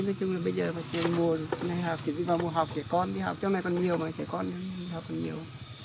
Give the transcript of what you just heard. nói chung là bây giờ mùa học trẻ con đi học trong này còn nhiều mà trẻ con học còn nhiều